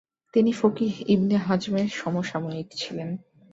তিনি ফকীহ ইবনে হাজমের সমসাময়িক ছিলেন।